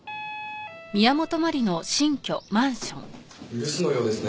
留守のようですね。